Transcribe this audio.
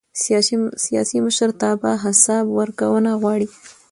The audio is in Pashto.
سیاسي مشرتابه حساب ورکونه غواړي